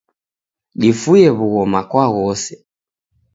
Difue wughoma kwa ghose